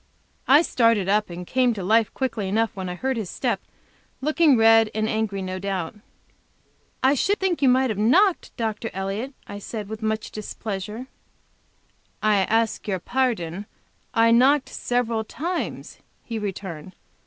I started up and came to life quickly enough when I heard his step, looking red and angry, no doubt. "I should think you might have knocked, Dr. Elliott," I said, with much displeasure. "I ask your pardon; I knocked several times," he returned.